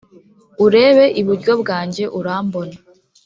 urebe iburyo bwanjye urambona.